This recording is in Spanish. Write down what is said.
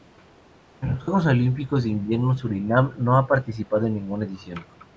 En los Juegos Olímpicos de Invierno Surinam no ha participado en ninguna edición.